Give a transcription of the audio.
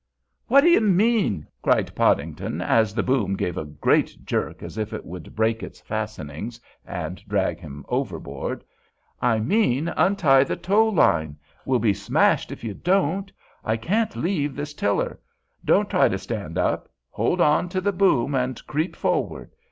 "What do you mean?" cried Podington, as the boom gave a great jerk as if it would break its fastenings and drag him overboard. "I mean untie the tow line. We'll be smashed if you don't! I can't leave this tiller. Don't try to stand up; hold on to the boom and creep forward.